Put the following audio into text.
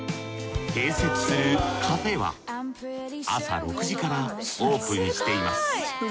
併設するカフェは朝６時からオープンしています。